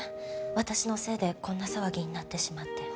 私のせいでこんな騒ぎになってしまって。